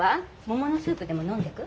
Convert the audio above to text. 桃のスープでも飲んでく？